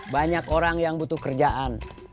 banyak orang yang butuh kerjaan